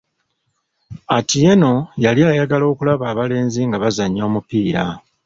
Atieno yali ayagala okulaba abalenzi nga bazannya omupiira.